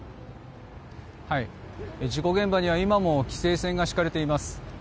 事故現場には今も規制線が敷かれています。